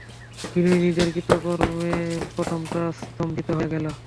বিনয় নিজের কৃত কর্মে প্রথমটা স্তম্ভিত হইয়া গেল।